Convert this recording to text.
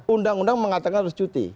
undang undang mengatakan harus cuti